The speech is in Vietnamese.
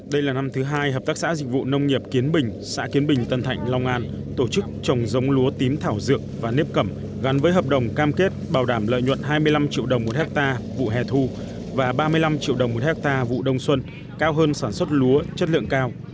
đây là năm thứ hai hợp tác xã dịch vụ nông nghiệp kiến bình xã kiến bình tân thạnh long an tổ chức trồng giống lúa tím thảo dược và nếp cầm gắn với hợp đồng cam kết bảo đảm lợi nhuận hai mươi năm triệu đồng một hectare vụ hè thu và ba mươi năm triệu đồng một hectare vụ đông xuân cao hơn sản xuất lúa chất lượng cao